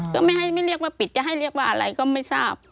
ก็ไม่เรียกว่าปิดจะให้เรียกว่าอะไรก็ไม่ทราบ